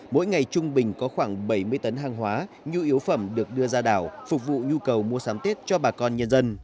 mỗi ngày trung bình có khoảng bảy mươi tấn hàng hóa nhu yếu phẩm được đưa ra đảo phục vụ nhu cầu mua sắm tết cho bà con nhân dân